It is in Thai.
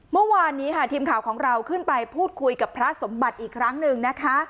เมื่อวานนี้ค่ะทีมข่าวของเราขึ้นไปพูดคุยกับพระสมบัติอีกครั้งหนึ่งนะคะ